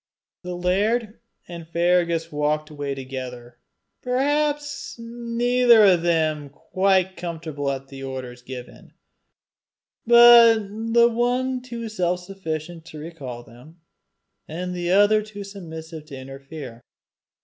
The laird and Fergus had walked away together, perhaps neither of them quite comfortable at the orders given, but the one too self sufficient to recall them, and the other too submissive to interfere.